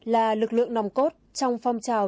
là lực lượng nòng cốt trong phong trào